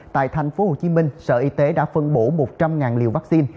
tại thành phố hồ chí minh sở y tế đã phân bổ một trăm linh liều vaccine